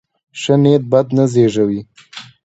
ښه نیت بد نه زېږوي.